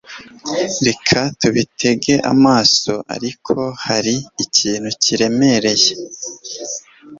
reka tubitege amaso, ariko, hari ikintu kiremereye